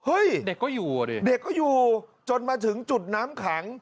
เด็กก็อยู่อ่ะดิเด็กก็อยู่จนมาถึงจุดน้ำขัง